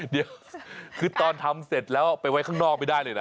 เดี๋ยวคือตอนทำเสร็จแล้วไปไว้ข้างนอกไม่ได้เลยนะ